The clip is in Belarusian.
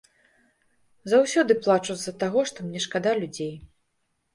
Заўсёды плачу з-за таго, што мне шкада людзей.